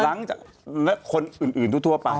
คนนั่นคนอื่นทั่วไป